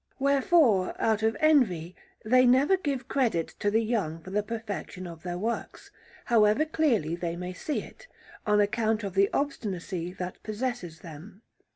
Wherefore, out of envy, they never give credit to the young for the perfection of their works, however clearly they may see it, on account of the obstinacy that possesses them.